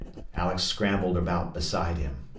Alex scrambled about beside him.